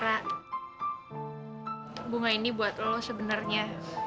karena bunga ini buat lo sebenarnya